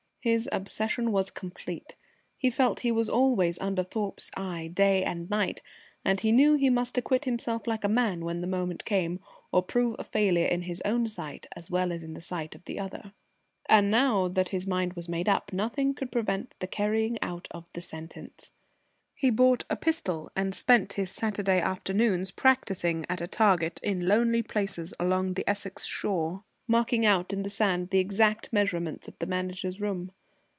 The obsession was complete. He felt he was always under Thorpe's eye day and night, and he knew he must acquit himself like a man when the moment came, or prove a failure in his own sight as well in the sight of the other. And now that his mind was made up, nothing could prevent the carrying out of the sentence. He bought a pistol, and spent his Saturday afternoons practising at a target in lonely places along the Essex shore, marking out in the sand the exact measurements of the Manager's room.